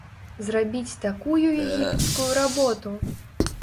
Зрабіць такую егіпецкую работу!